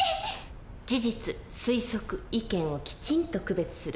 事実推測意見をきちんと区別する。